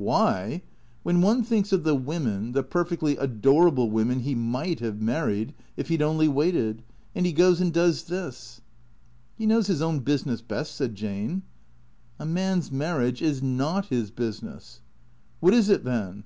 ""WHiy? When one thinks of the women, the perfectly ador able women he miglit have married — if he 'd only waited. And he goes and docs this." " He knows his own business best," said Jane. " A man's marriage is not his business." ''What is it, then?"